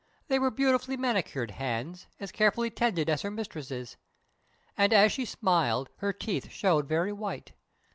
They were beautifully manicured hands, as carefully tended as her mistress's. And as she smiled her teeth showed very white.